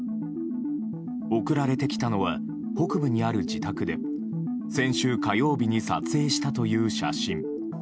送られてきたのは北部にある自宅で先週、火曜日に撮影したという写真。